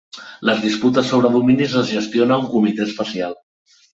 Les disputes sobre dominis les gestiona un comitè especial.